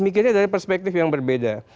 mikirnya dari perspektif yang berbeda